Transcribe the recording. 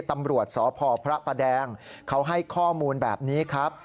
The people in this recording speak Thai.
ตำรวจสพพระประแดงเขาให้ข้อมูลแบบนี้ครับ